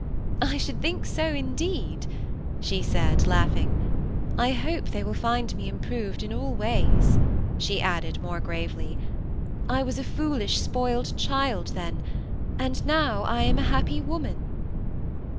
I should think so, indeed," she said, laughing. '^ I hope they will find me improved in all ways," she added, more gravely. '^ I was a foolish, spoiled child then, and now I am a happy woman."